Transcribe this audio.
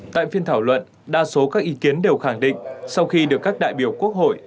tại phiên thảo luận đa số các ý kiến đều khẳng định sau khi được các đại biểu quốc hội